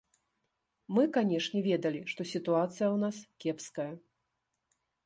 Мы, канешне, ведалі, што сітуацыя ў нас кепская.